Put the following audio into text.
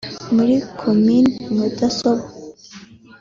muri komini Mudasomwa